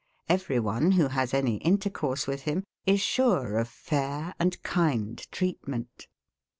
Every one, who has any intercourse with him, is sure of FAIR and KIND treatment.